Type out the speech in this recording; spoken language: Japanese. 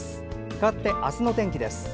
かわって、明日の天気です。